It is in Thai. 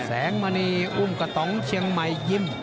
แสงมณีอุ้มกระต๋องเชียงใหม่ยิ้ม